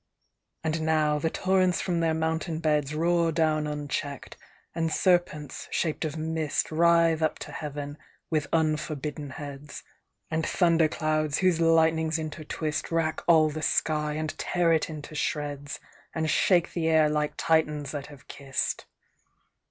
And now the torrents from their mountain beds Roar down uncheck'd; and serpents shaped of mist Writhe up to Heaven with unforbidden heads; And thunder clouds, whose lightnings intertwist, Rack all the sky, and tear it into shreds, And shake the air like Titians that have kiss'd!